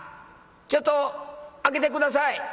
ちょっと開けて下さい」。